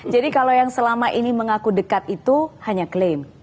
jadi kalau yang selama ini mengaku deket itu hanya klaim